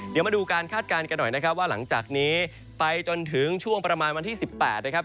เดี๋ยวมาดูการคาดการณ์กันหน่อยนะครับว่าหลังจากนี้ไปจนถึงช่วงประมาณวันที่๑๘นะครับ